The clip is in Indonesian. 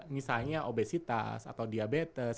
misalnya obesitas atau diabetes